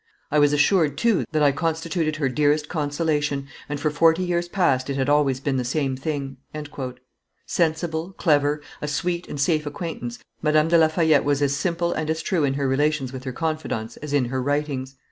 I was assured, too, that I constituted her dearest consolation, and for forty years past it had always been the same thing." Sensible, clever, a sweet and safe acquaintance, Madame de La Fayette was as simple and as true in her relations with her confidantes as in her writings.